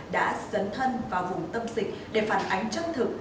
đã dấn thân vào vùng tâm dịch để phản ánh chân thực